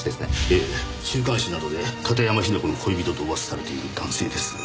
ええ週刊誌などで片山雛子の恋人と噂されている男性です。